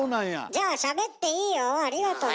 じゃあしゃべっていいよ。ありがとね。